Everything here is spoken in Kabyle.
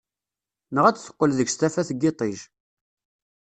Neɣ ad teqqel deg-s tafat n yiṭij.